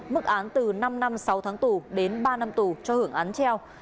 mức án từ năm năm sáu tháng tù đến ba năm tù cho hưởng án treo